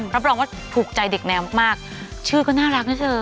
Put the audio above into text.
รับรองว่าถูกใจเด็กแนวมากชื่อก็น่ารักนะเธอ